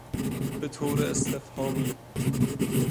بطور استفهامی